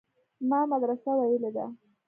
ما مدرسه ويلې ده.